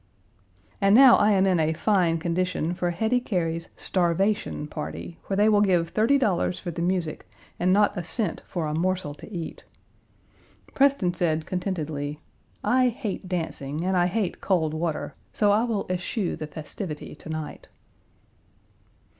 And now I am in a fine condition for Hetty Cary's starvation party, where they will give thirty dollars for the music and not a cent for a morsel to eat. Preston said contentedly, "I hate dancing, and I hate cold water; so I will eschew the festivity to night."